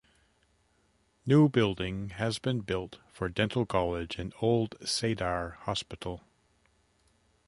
New building has been built for dental college in old Sadar hospital.